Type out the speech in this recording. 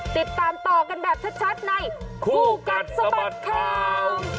ติดตามต่อกันแบบชัดในคู่กัดสะบัดข่าว